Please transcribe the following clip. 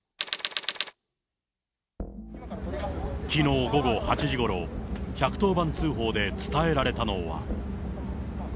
きのう午後８時ごろ、１１０番通報で伝えられたのは。